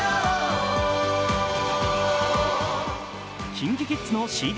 ＫｉｎＫｉＫｉｄｓのＣＤ